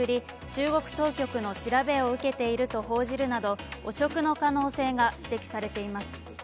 中国当局の調べを受けていると報じるなど汚職の可能性が指摘されています。